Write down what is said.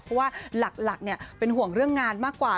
เพราะว่าหลักเป็นห่วงเรื่องงานมากกว่า